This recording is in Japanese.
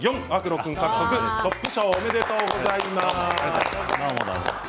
君獲得トップ賞おめでとうございます。